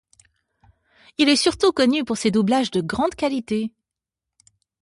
Il est surtout connu pour ses doublages de grande qualité.